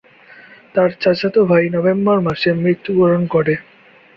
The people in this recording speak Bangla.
তার চাচাতো ভাই নভেম্বর মাসে মৃত্যুবরণ করে।